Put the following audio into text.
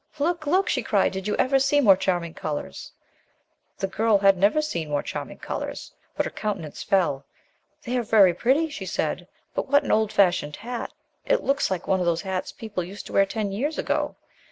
"Look! look!" she cried, "did you ever see more charming colors?" The girl had never seen more charmingcolors, but her countenance fell. "They are very pretty," she said, "but what an old fashioned hat! It looks like one of those hats people used to wear ten years ago."